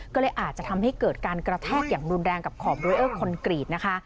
ก็เลยอาจจะทำให้เกิดการกระแทกอย่างรุนแรงกับขอบเรอร์คอนกรีตนะคะ